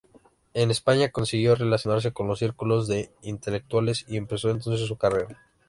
En España consiguió relacionarse con los círculos de intelectuales y empezó entonces su carrera.